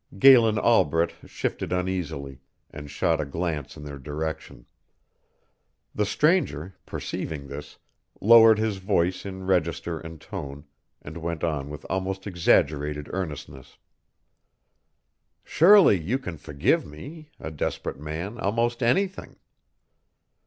Galen Albret shifted uneasily, and shot a glance in their direction. The stranger, perceiving this, lowered his voice in register and tone, and went on with almost exaggerated earnestness. "Surely you can forgive me, a desperate man, almost anything?"